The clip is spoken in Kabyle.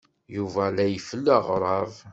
Yuba la ifellu aɣrab.